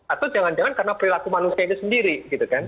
atau jangan jangan karena perilaku manusianya sendiri gitu kan